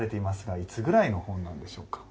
いつぐらいのものなんでしょうか。